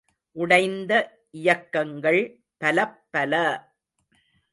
உடைந்த இயக்கங்கள் பலப்பல!